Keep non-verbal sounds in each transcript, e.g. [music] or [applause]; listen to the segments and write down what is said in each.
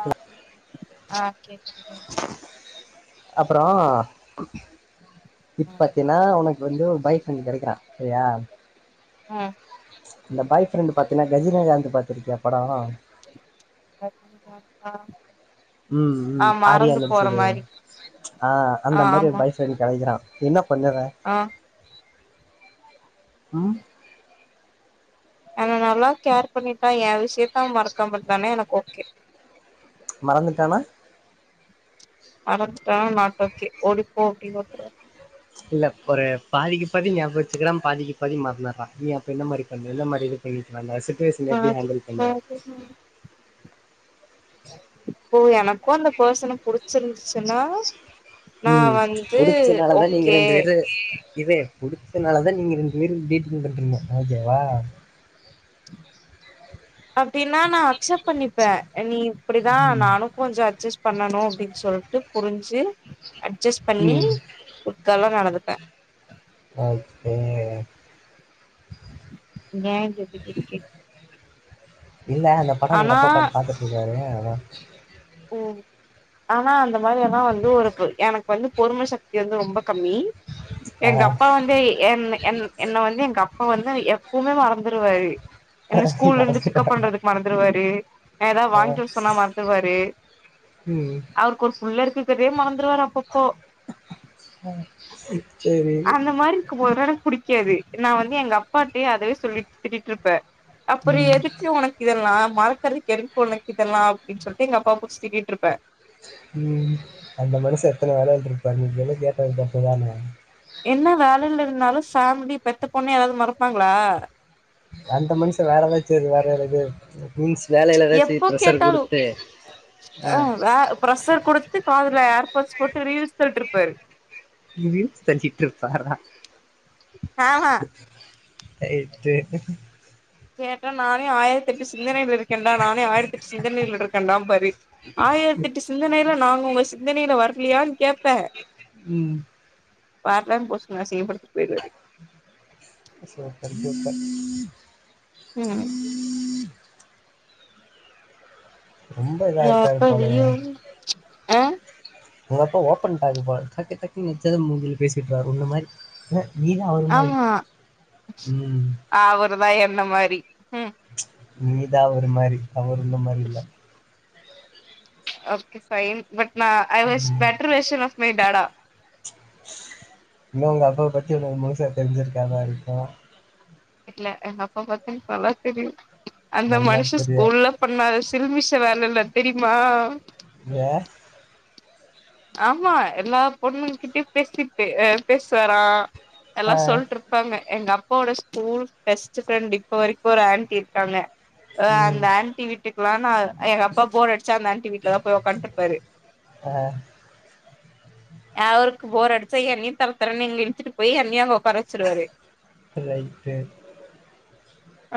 ஆ ஆ கேக்குது கேக்குது அப்றோ ம் இப்பாத்தீனா ஒனக்கு வந்து ஒரு பைக் பாய் ஃப்ரெண்ட் கெடைக்கிறா சரியா ம் அந்த பாய்ஃப்ரெண்டு் பாத்தீங்கனா கஜினகாந்த்து பாத்திருக்கியா படோ கஜினி தாத்தா ம் ம் ஆரியா நடிச்சது மாரி ஆ அந்த மாரி ஒரு பாய் ஃப்ரெண்ட் பாய் ஃப்ரெண்ட் கெடைக்கிறா நீ என்ன பண்ணுவ ஆ ம் ஆன நல்லா கேர் பண்ணிட்டா ஏ விஷியத்த அவன் மறக்காமாட்டனே எனக்கு ஓகே மறந்துட்டான மறந்துட்டானா நாட் ஓகே ஒடிப்போ அப்டின்னு விட்டுருவ இல்ல ஒரு பாதிக்கு பாதி ஞாபகோ வச்சுக்கிறா பாதிக்கு பாதி மறந்துறா நீ அப்ப என்ன மாரி பண்ணவ எந்த மாரி இது [unintelligible] சுச்சுவேஷன் எப்டி ஹேண்டில் பண்ணுவ ஓ எனக்கு அந்த பர்சன புடிச்சிருந்துச்சுன்னா நா ம் வந்து புடிச்சனாலதா நீங்க ஓகே இரண்டு பேரு ம் இது புடிச்சதுனால தா நீங்க ரெண்டு பேரு டீட்டிங் பண்ணறிங்க ஓகேவா அப்டின்னா நா அக்செப்ட் பண்ணிப்பே நீ இப்டிதா நானு கொஞ்சோ அட்ஜஸ் பண்ணணு அப்டின்னு சொல்ட்டு புரிஞ்சு அட்ஜஸ்ட் பண்ணி ம் குட் கேள்ள நடந்துப்பே ஓகே ஏ இப்டி [unintelligible] இல்ல அந்த படோ எங்க ஆனா அப்பா உக்காந்து பாத்துட்டு இருக்காரு அதா ம் ஆனா அந்த மாரியெல்லா வந்து ஒரு பொ எனக்கு வந்து பொறும சக் தி வந்து ரொம்ப கம்மி ஆ எங்க அப்பா வந்து என் என் என்ன வந்து எங்க அப்பா வந்து எப்பவுமே மறந்துருவாரு என்ன ஸ்கூல்ல இருந்து பிக்கப் மறந்துட்டேன். பண்றதுக்கு மறந் வந்ருவாரு எதனா ஆ. வாங்கிட்டு வர சொன்னா மறந்துருவாரு ம் அவுருக்கு ஒரு புள்ள இருக்குக்கதே மறந்துருவாரு அப்பப்போ சரி. அந்த மாரி இருக்கு போதுலா எனக்கு புடிக் காது நா வந்து எங்க அப்பா கிட்டயே அதவே சொல்லிட் திட்டிட்டு இருப்பே அப்புறோ ம். எதுக்கு உனக் இதெல்லா மறக்கறதுக் [unintelligible] இதெல்லா அப்டின் சொல்ட்டு எங்க அப்பா புடிச்சி திட்டிட் ருப்பே ம் அந்த மனுஷ எத்தன வேலயா இருந்துருப்பாங் நீங்களு கேட்டது தப்பு தான என்ன வேலைல இருந்தாலு ஃபேமிலி பெத்த பொண்ண யாராவது மறப்பாங்ளா அந்த மனுஷ வேற ஏதாச்சி வேற வேற இது மீஸ் வேலையில எதாச்சி எப்போ ப்ரஷர் கேட்டாலு குடுத்து ஆ ப்ரெஷர் குடுத்து காதுல ஏர்பஸ் போட்டு ரீல்ஸ் பண்ட்டு இருப்பாரு ரீல் செஞ்சிட்ருப்பாரா ஆமா ரைட்டு கேட்டா நானே ஆயிரத்தெட்டு சிந்தனைல இருக்கன்டா நானே ஆயிரத்தெட்டு சிந்தனைல இருக்கன்டாம் பாரு அ சிந்தனையில நாங்க உங்க சிந்தனையில வரலயான் கேப்ப ம் வர்லன் பொசுக்குனு அசிங்க படுத்திட் போய்ருவாரு சூப்பர் சூப்பர் ம் ரொம்ப இதா யப்ப இருக்காரு போலயே. லியோ உங்க அப்பா ஓப்பன் டாக் போல டக்கு டக்குன்னு நென்ச்சத மூஞ்சில பேசிட்றாரு உன்ன மாரி ல ஆமா ம். அவரு தா என்ன மாரி ம் நீ தா அவரு மாரி அவரு உன்ன மாரி இல்ல ஒகே பைன் பட் நா ஐ வாஸ் ம். பெட்டரேசன் ஆப் மை டாடா இன்னு உங்க அப்பாவ பத்தி உங்களுக்கு முழுசா தெரிஞ்சிருக்காதா இருக்கு இல்ல எங்க அப்பா பாத்தீ நல்லா தெரியு அந்த நல்லா மனுஷ தெரியும். ஸ்கூல்ல பண்ணாத சில்மிஷ வேலல்ல தெரியுமா ஏ ஆமா எல்லா பொண்ணுங் கிட்டயு பேசிட்டு பேசுவாரா ஆ. எல்லா சொல்ட்டுருப் பாங்க எங்க அப்பாவோட ஸ்கூல் பெஸ்ட் ஃப்ரெண்ட் இப்ப வரைக்கு ஒரு ஆன்ட்டி இருக்காங்க ஆ ம். அந்த ஆண்ட்டி வீட்டுக்ல்லா நா எங்க அப்பா போர் அடிச்சா அந்த ஆண்ட்டி வீட்ல தா போய் ஒக்கான்ட்ருப்பாரு ஆ அவருக்கு போர் அடிச்சா என்னியு தர தரன் இங்க இழுத்துட்டு போய் என்னியு அங்க ஓக்கார வச்சிருவாரு ரைட்டு.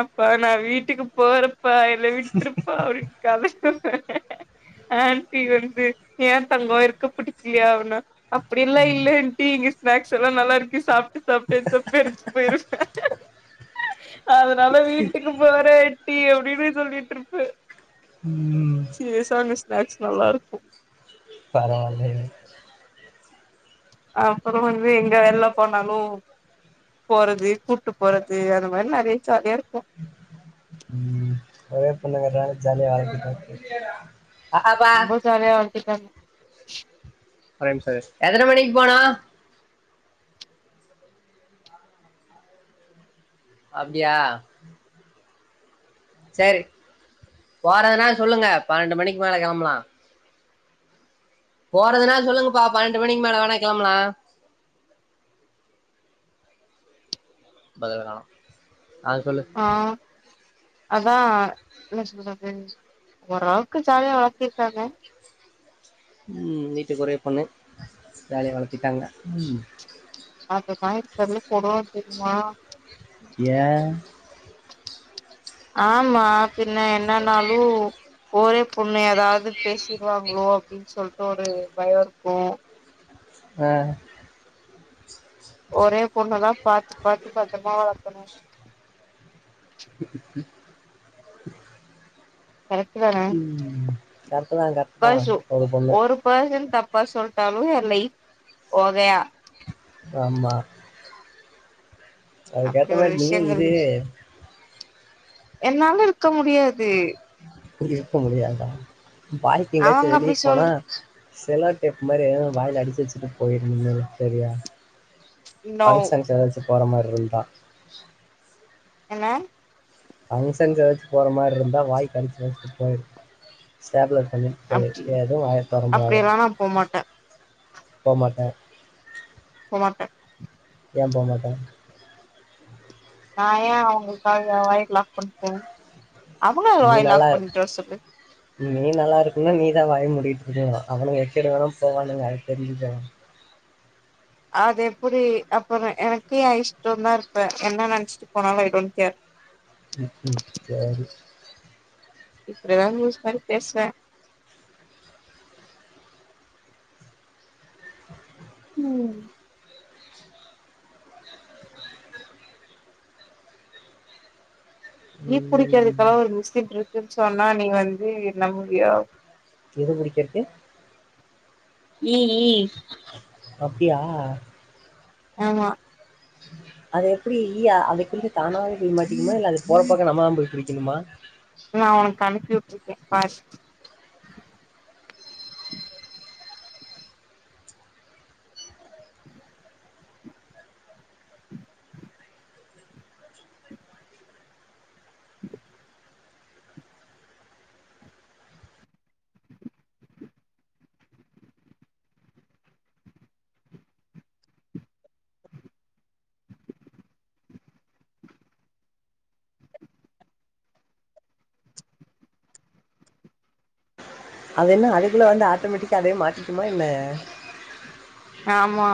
அப்பா நா வீட்டுக்கு போறப்பா என்ன விட்டுருப்பா அப்டின் கத சொன்ன ஆன்ட்டி வந்து ஏ தங்கோ இருக்க புடிக்கலையா அப்டினா அப்டி எல்லா ம். இல்ல ஆன்ட்டி இங்க ஸ்னாக்ஸ் எல்லா நல்லா இருக்கு சாப்ட்டு சாப்ட்டுடப்ப [unintelligible] போயிருவ அதனால வீட்டுக்கு போற ஆண்ட்டி அப்டின்னு சொல்லிட்ருப்ப ம் சிரீயஸா அங்க ஸ்நாக்ஸ் நல்லா இருக்கு பரவால்லயே அப்பற வந்து எங்க வெல்ல போனாலு போறது கூட்டு போறது அந்த மாரி நெறய ஜாலியா இருக்கு ம் ஒரே பொண்ணுங்கறனால ஜாலியா வேலடிக்கு ஆ ஆ பா ரொம்ப ஜாலியா வன்ட்ருப்பாங்க எத்தன மணிக் போனோ அப்டியா செரி போறதுனா சொல்லுங்க பன்னெண்டு மணிக்கு மேல கெளம்பலா போறதுனா சொல்லுங்கபா பன்னெண்டு மணிக்கு மேல வேணா கெளம்பலா பதில காணோ அத சொல்லு ஆ அதா என்ன சொல்றது ஓரளவுக்கு ஜாலியா வளத்திர்க்காங்க ம் வீட்டுக்கு ஒரே பொண்ணு ஜாலியா வளத்திட்டாங்க ம் [inaudible] கொடுவாங்க தெரியுமா ஏ ஆமா பின்ன என்னன்னாலு ஒரே பொண்ணு எதாவ்து பேசிர்வாங்ளோ அப்டின் சொல்ட்டு ஒரு பயோ இருக்கு ஆ ஒரே பொண்ணதா பாத்து பாத்து பத்தரமா வளக்கணு உ கரக்ட்டுதான ம் கரக்ட்டு தா கரக்ட்டு தா பசு ஒரே பொண்ணு ஒரு பர்சன் தப்பா சொல்ட்டாலு எ லைஃப் ஓகையா ஆமா அப்டி அதுக்கேத்த ஒரு மாரி நீயு விஷயங்கள் இரு இருக்கு என்னால இருக்க முடியாது இருக்க முடியாதா வாய்க் அவங்க எங்காச்சு வெளிய அப்டி சொல் போனா செலோ டேப் மாரி வாய்ல அடிச்சு வெச்சுட்டு போய்ரு நிம்மதியா செரியா நோ ஃபங்க்ஷன்க் எதாச்சு போற மார்ருந்தா என்ன ஃபங்க்ஷன்க் எதாச்சு போற மார்ருந்தா வாய்க் அடிச்சு வெச்சிட்டு போய்டு ஸ்டேப்லர் பின்னு போயி அப்டி எதுவு வாய தொறந்துறாத அப்டியெல்லா நா போமாட்டே போ மாட்ட போ மாட்ட ஏ போ மாட்ட நா ஏ அவுங்களுக்காக எ வாய லாக் பண்ணு அவுங்க அவுங்க நீ வாய நல்லா லாக் இரு பண்ணிட்டு வர சொல்லு நீ நல்லா இருக்கண்னா நீ தா வாய முடிட்ருக்கணு அவனுங்க எக்கேடு வேணா போவானுங்க அத தெரிஞ்சிக்கோ அதெப்பிடி அப்பறோ எனக்கு எ இஷ்டோந்தா இருப்பே என்ன நெனச்சிட்டு போனாலு ஐ டோன் கேர் ம்ம் சேரி இப்பிடிதா லூஸ் மாரி பேஸ்வே ம் ஈ ம், புடிக்கறதுக்கெலா ஒரு மிஷின்ருக்குன் சொன்னா நீ வந்து நம்புவியோ எது புடிக்கறக்கு ஈ ஈ அப்டியா ஆமா அது எப்டி ஈயா அதுக்குள்ள தானாவே போய் மாட்டிக்குமா இல்ல அது போற பக்கோ நம்மதா போய் புடிக்கணுமா நா உனக் அனுப்பி உட்ருக்கே பாரு அது என்ன அதுக்குள்ள வந்து ஆட்டோமெட்டிக்கா அதே மாட்டிக்குமா என்ன ஆமா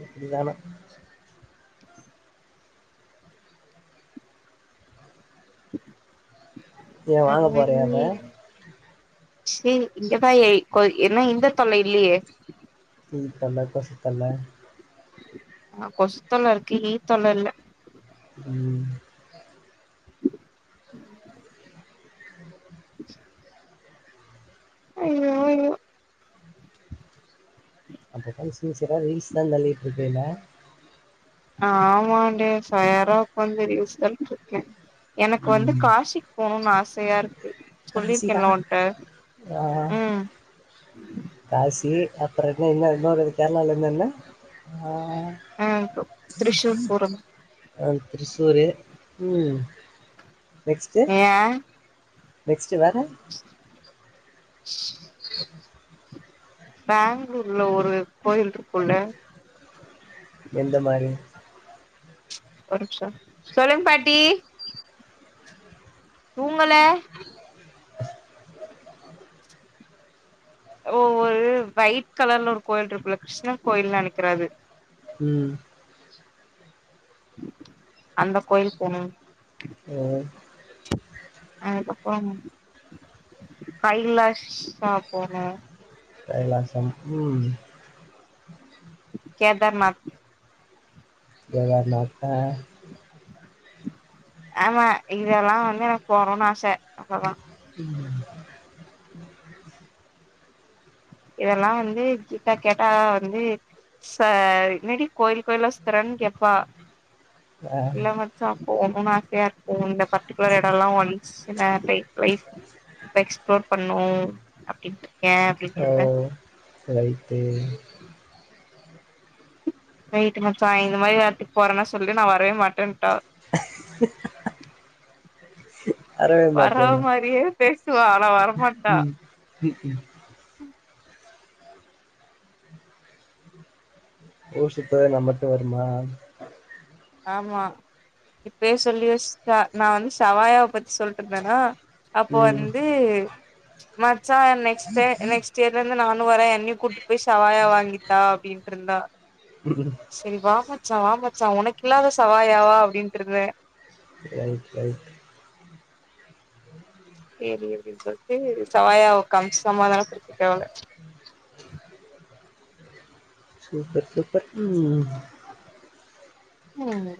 ம் கலிகாலோ ஏ வாங்க போறயா இப்ப செ இங்கதா எ கொ என்ன இந்த தொல்ல இல்லையே ம் ஹன்றட் டாஸ்க் பண்ணே ஆ கொசுத்தொல்ல இருக்கு ஈத்தொல்ல இல்ல ம் [inaudible] [inaudible] அய்யோ அய்யோ அந்தக்க சின் சியரா ரீல்ஸ் தா தள்ளிட்ருக்கேல ஆமாண்டே சாரா உப்ப வந்து ரீல்ஸ் தள்ளிண்ருக்கேன் எனக்கு வந்து ம் காசிக்கு போகணுனு ஆசையா இருக்கு காசியா சொல்லிருக்கேன்ல உன்ட்ட ஆ ம் காசி அப்ப என்ன என்ன இன்னோறது கேரளால இருந்து என்ன ஆ ஆ திரிசூர் போறது ஆ திரிசூரு ம் நெக்ஸ்ட்டு ஆ நெஸ்ட்டு வேற [inaudible] பெங்களூர்ல ஒரு கோயில் இருக்குல்ல எந்த மாரி ஒரு நிமிசோ சொல்லுங்க பாட்டி தூங்கல ஓ ஒரு ஒயிட் கலர்ல ஒரு கோயில் இருக்குல்ல கிருஷ்ணன் கோயில்னு நெனைக்கிறே அது ம் அந்த கோயில் போணு ஆ அதுக்கப்பறம் கைலாஷா போனு கைலாசா ம் கேதர்நாத் கேத்தார்னாத்தா ஆமா இங்கெல்லா வந்து எனக்கு போரோன்னு ஆச அவ்ளோதா ம் [inaudible] இதெல்லா வந்து கீதா கேட்டா வந்து ச என்னாடி கோயில் கோயிலா சுத்தறன்னு கேப்பா ஆ, இல்ல மச்சா போணுன்னு ஆசையா இருக்கு இந்த பர்டிகுலர் எடம்ல்லா ஒன்ஸ் சில லைப் இப் எக்ஸ்பிளோர் பண்ணோ அப்டின்ட்ருக்கே ஓ அப்டிட்டுருக் அ ரைட்டு வெயிட்டு மச்சாய் இந்த மாரி எடத்துக்கு போறேன்னா சொல்லு நா வரவே மாட்டேன்ட்டா அறவே வரவ மாட்டேனா மாரியே பேசுவா ஆனா வர ம் ம் ம் ம் ஊஷத்த நம்மட்டு வருமா ஆமா இப்பயே சொல்லி ச நா வந்து செவ்வாயா பத்தி சொல்ட்டு இருந்தேனா அப்போ ம் வந்து மச்சா நெக்ஸ்ட் டை நெக்ஸ்ட் இயர்ல இருந்து நானு வர்றே என்னையு கூட்டு போய் சவாயா வாங்கி தா அப்டின்ட் இருந்தா ம் சேரி வா மச்சா வா மச்சா உனக்கு இல்லாத சவாயாவா அப்டின்ட்டு இருந்தே சேரி சேரி சேரி அப்டின் சொல்ட்டு சவாயா காமுச்சு சமாதானோ படுத்திட்ட அவள சூப்பர் சூப்பர் ம் ம்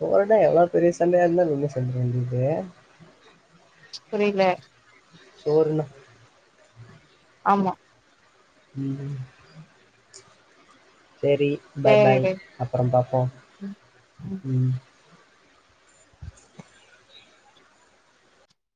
போடு எவ்ளோ பெரிய சண்டையா இருந்தாலுமே சொல்லிர வேண்டிது புரில சோறுனா ஆமா ம் சேரி பாய் பாய் சேரிடே அப்புறம் பாப்போ ம்